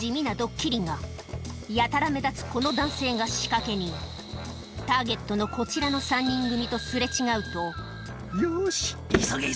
やたら目立つこの男性がターゲットのこちらの３人組と擦れ違うとよし。